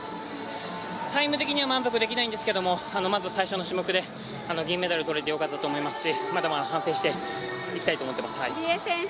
タイム的には満足できないんですけれども、まず最初の種目で銀メダルを取れてよかったと思いますし、まだまだ反省していきたいと思っています。